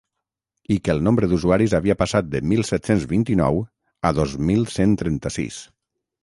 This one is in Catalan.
I que el nombre d’usuaris havia passat de mil set-cents vint-i-nou a dos mil cent trenta-sis.